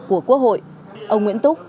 của quốc hội ông nguyễn túc